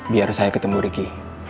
biar saya ketemu ricky